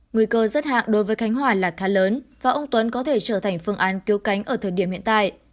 nguy cơ rất hạn đối với khánh hòa là khá lớn và ông tuấn có thể trở thành phương án cứu cánh ở thời điểm hiện tại